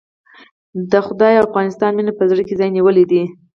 د خدای او افغانستان مينې په زړه کې ځای نيولی دی.